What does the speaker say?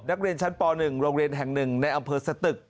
นักเรียนชั้นปหนึ่งโรงเรียนแห่งหนึ่งในอำเภอสตึก